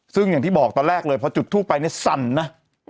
ซึ่งอย่างที่บอกตอนแรกเลยพอจุดทูปไปเนี่ยสั่นนะ